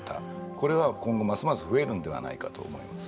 これは今後、ますます増えるのではないかと思います。